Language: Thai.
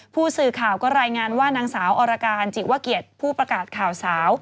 ผู้สื่อข่าวก็รายงานว่านางสาวอรการจิวะเกียรติผู้ประกาศข่าวสาว